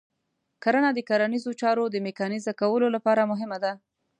کرنه د کرنیزو چارو د میکانیزه کولو لپاره مهمه ده.